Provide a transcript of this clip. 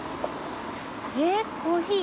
えコーヒー？